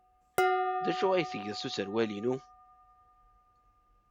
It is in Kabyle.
D acu ay tgiḍ s userwal-inu?